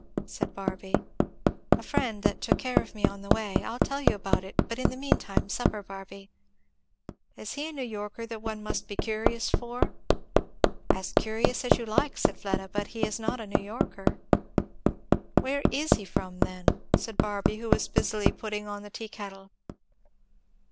said Barby. "A friend that took care of me on the way I'll tell you about it, but in the mean time, supper, Barby." "Is he a New Yorker, that one must be curious for?" "As curious as you like," said Fleda, "but he is not a New Yorker." "Where is he from, then?" said Barby, who was busily putting on the tea kettle.